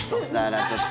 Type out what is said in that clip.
ちょっと。